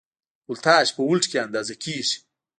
ولتاژ په ولټ کې اندازه کېږي.